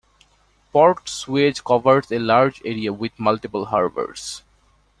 Port Suez covers a larger area with multiple harbours.